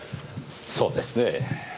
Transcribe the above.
そうですねぇ。